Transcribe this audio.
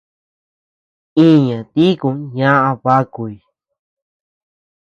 Iña tiku ñaʼa bakuy.